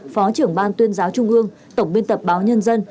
phó trưởng ban tuyên giáo trung ương tổng biên tập báo nhân dân